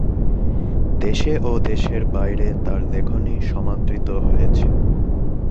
দেশে ও দেশের বাইরে তার লেখনী সমাদৃত হয়েছে।